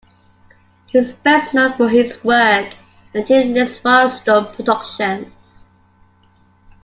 He is best known for his work at Jim Lee's Wildstorm Productions.